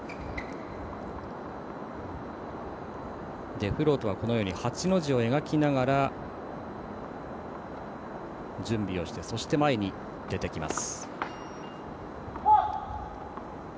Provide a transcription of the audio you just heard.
デフロートは８の字を描きながら準備をして、前に出てきます。